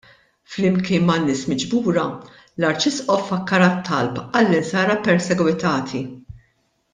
Flimkien man-nies miġbura, l-Arċisqof fakkar għat-talb għall-Insara ppersegwitati.